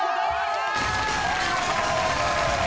［お見事！］